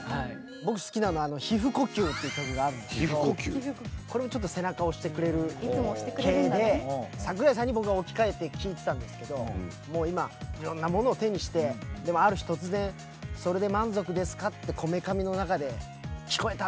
僕好きなの『皮膚呼吸』っていう曲があるんですけどこれも背中を押してくれる系で桜井さんに僕は置き換えて聴いてたんですけどもう今いろんなものを手にしてでもある日突然それで満足ですかってこめかみの中で聞こえたんだみたいな。